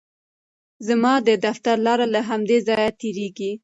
زما د دفتر لاره له همدې ځایه تېریږي.